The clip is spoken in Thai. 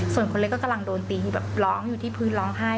ส่วนคนเล็กก็กำลังโดนตีอยู่แบบร้องอยู่ที่พื้นร้องไห้